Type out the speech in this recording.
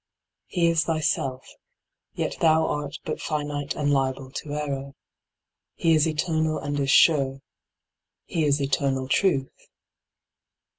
He is thyself, yet thou art but finite and liable to error. He is eternal and is sure. He is eternal truth.